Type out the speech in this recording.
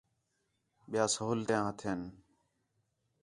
ٻِیا سہولتیاں ہتھین